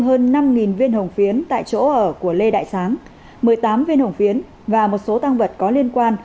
hơn năm viên hồng phiến tại chỗ ở của lê đại sáng một mươi tám viên hồng phiến và một số tăng vật có liên quan